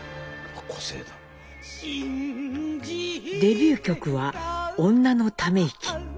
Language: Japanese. デビュー曲は「女のためいき」。